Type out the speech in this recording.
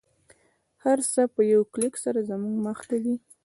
هر څه په یوه کلیک سره زموږ مخته دی